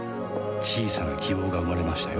小さな希望が生まれましたよ